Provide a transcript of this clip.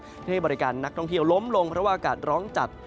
เพื่อให้บริการนักท่องเที่ยวล้มลงเพราะว่าอากาศร้อนจัด